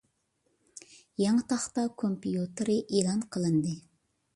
يېڭى تاختا كومپيۇتېرى ئېلان قىلىندى.